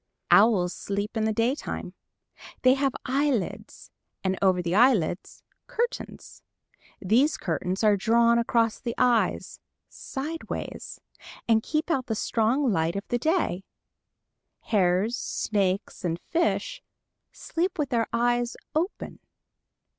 Owls sleep in the daytime. They have eyelids, and over the eyelids, curtains. These curtains are drawn across the eyes, sideways, and keep out the strong light of the day. Hares, snakes and fish sleep with their eyes open.